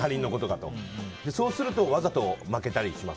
そうするとわざと負けたりします。